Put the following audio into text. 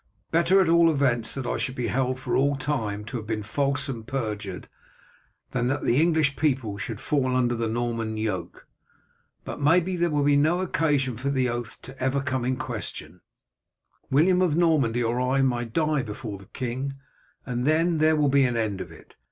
Better at all events that I should be held for all time to have been false and perjured, than that the English people should fall under the Norman yoke. But maybe there will be no occasion for the oath ever to come in question, William of Normandy or I may die before the king, and then there will be an end of it.